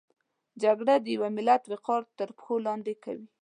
جګړه د یو ملت وقار تر پښو لاندې کوي